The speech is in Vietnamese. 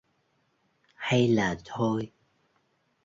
Hay là thôi...